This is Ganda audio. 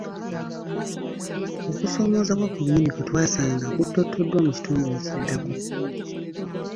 Okusoomooza kwennyini kwe twasanga kuttottoddwa mu kitundu ekiddako.